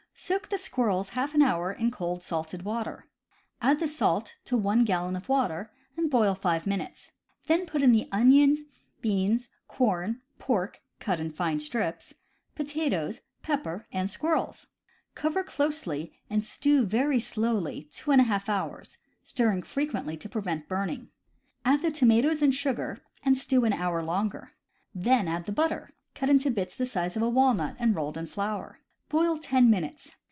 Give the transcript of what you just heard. Soak the squirrels half an hour in cold salted water. Add the salt to one gallon of water, and boil five minutes. Then put in the onion, beans, corn, pork (cut in fine strips), potatoes, pepper, and squirrels. Cover closely, and stew very slowly two and a half hours, stirring frequently to prevent burning. Add the tomatoes and sugar, and stew an hour longer. Then add the butter, cut into bits the size of a walnut and rolled in flour. Boil ten minutes.